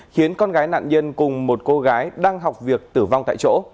khiến con gái nạn nhân cùng một cô gái đang học việc tử vong tại chỗ